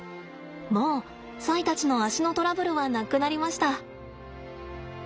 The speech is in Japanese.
もうサイたちの足のトラブルはなくなりました。